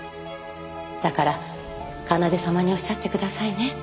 だから奏様におっしゃってくださいね。